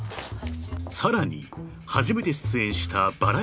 ［さらに初めて出演したバラエティーでも］